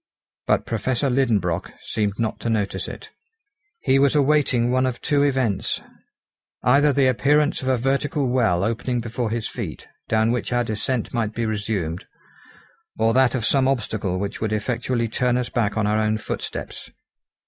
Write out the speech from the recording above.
But Professor Liedenbrock seemed not to notice it. He was awaiting one of two events, either the appearance of a vertical well opening before his feet, down which our descent might be resumed, or that of some obstacle which should effectually turn us back on our own footsteps.